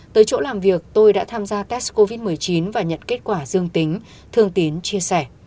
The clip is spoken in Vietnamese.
tới chỗ làm việc tôi đã tham gia test covid một mươi chín và nhận kết quả dương tính thương tiến chia sẻ